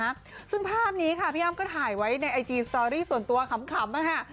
แม่อ้ำจังเลยนะฮะซึ่งภาพนี้ค่ะพี่อ้ำก็ถ่ายไว้ในไอจีสตอรี่ส่วนตัวขำขำนะฮะ